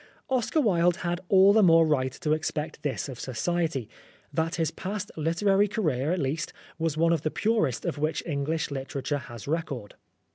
Oscar Wilde had all the more right to expect this of Society, that his past literary career, at least, was one of the purest of which English literature has record.